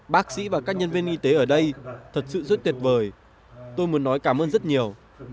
bác sĩ và các nhân viên y tế ở đây thật sự rất tuyệt vời tôi muốn nói cảm ơn rất nhiều